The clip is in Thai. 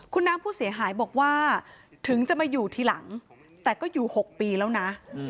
คุณน้ำผู้เสียหายบอกว่าถึงจะมาอยู่ทีหลังแต่ก็อยู่๖ปีแล้วนะ